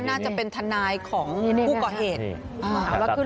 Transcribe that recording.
น่าจะเป็นทนายของผู้ก่อเหตุ